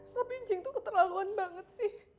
tapi anjing tuh keterlaluan banget sih